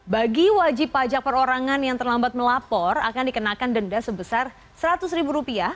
bagi wajib pajak perorangan yang terlambat melapor akan dikenakan denda sebesar rp seratus